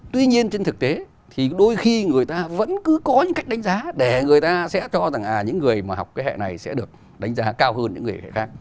tuy nhiên trên thực tế thì đôi khi người ta vẫn cứ có những cách đánh giá để người ta sẽ cho rằng những người mà học cái hệ này sẽ được đánh giá cao hơn những người hệ khác